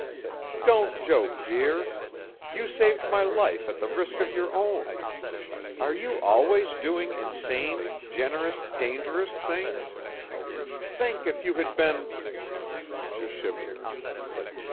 "Don't joke, dear. You saved my life at the risk of your own. Are you always doing insane, generous, dangerous things? Think if you had been " She shivered.